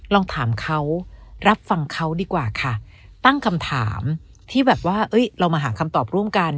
ลองถามเขารับฟังเขาดีกว่าค่ะตั้งคำถามที่แบบว่าเรามาหาคำตอบร่วมกัน